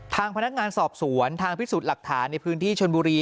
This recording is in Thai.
ทางพนักงานสอบสวนทางพิสูจน์หลักฐานในพื้นที่ชนบุรี